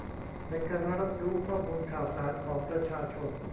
ในการรับรู้ข้อมูลข่าวสารของประชาชน